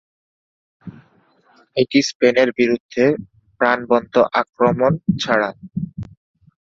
এটি স্পেনের বিরুদ্ধে প্রাণবন্ত আক্রমণ ছাড়া।